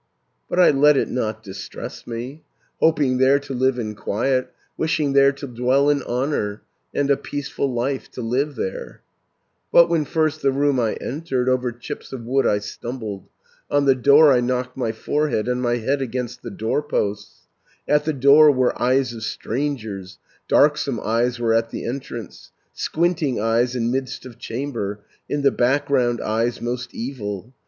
560 "But I let it not distress me, Hoping there to live in quiet, Wishing there to dwell in honour, And a peaceful life to live there; But when first the room I entered, Over chips of wood I stumbled. On the door I knocked my forehead, And my head against the doorposts. At the door were eyes of strangers: Darksome eyes were at the entrance, 570 Squinting eyes in midst of chamber, In the background eyes most evil.